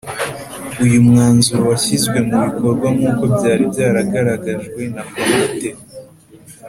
Uyu mwanzuro washyizwe mu bikorwa nk uko byari byagaragajwe na Komite